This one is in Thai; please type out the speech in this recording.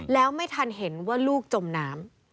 แล้วไม่ทันเห็นว่าลูกจมน้ำ